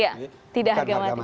iya tidak harga mati